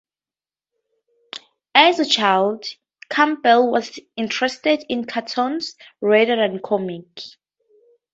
As a child, Campbell was interested in cartoons, rather than comics.